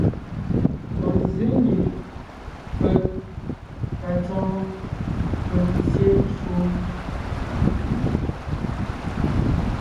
Ɔ̀ zsě ngie peg ,patsɔ́ɔn, peg tyé twó.